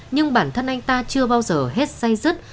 nhưng bản thân anh ta chưa bao giờ hết say rứt